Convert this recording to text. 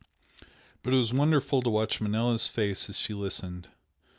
But it was wonderful to watch Manella's face as she listened.